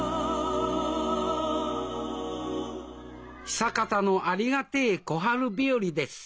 久方のありがてえ小春日和です。